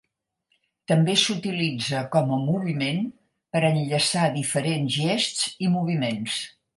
També s'utilitza com a moviment per enllaçar diferents gests i moviments.